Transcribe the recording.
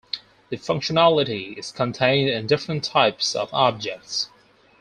The functionality is contained in different types of objects.